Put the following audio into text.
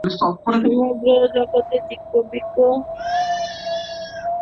সমগ্র জগতে বিজ্ঞ বিচক্ষণ ব্যক্তিই কেবল সংসারের সুখ উপভোগ করেন।